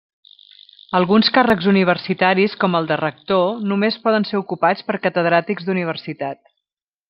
Alguns càrrecs universitaris, com el de Rector, només poden ser ocupats per Catedràtics d'Universitat.